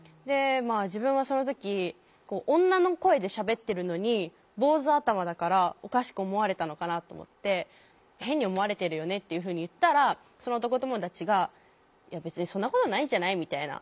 自分はその時女の声でしゃべってるのに坊主頭だからおかしく思われたのかなと思って「変に思われてるよね？」っていうふうに言ったらその男友達が「いや別にそんなことないんじゃない？」みたいな。